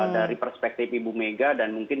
dari perspektif ibu mega dan mungkin